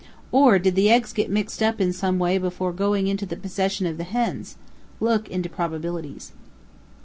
Or, did the eggs get mixed up in some way before going into the possession of the hens? Look into probabilities."